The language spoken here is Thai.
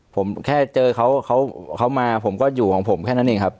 ผมแค่เจอเขาเขามาผมก็อยู่ของผมแค่นั้นเองครับ